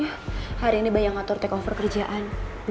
silakan beri dukungan anda di facebook youtube channel